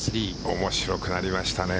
面白くなりましたね。